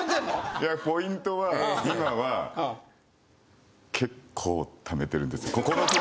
いやポイントは今は結構貯めてるんです。